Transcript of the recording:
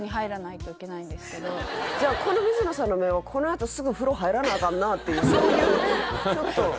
この水野さんの目はこのあとすぐ風呂入らなアカンなっていう